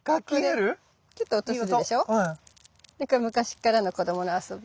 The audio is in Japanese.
これ昔っからの子どもの遊び。